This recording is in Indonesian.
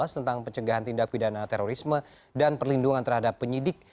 tentang pencegahan tindak pidana terorisme dan perlindungan terhadap penyidik